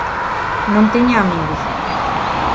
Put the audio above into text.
Non tiña amigos.